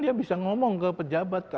it indispens logiterap padakiaa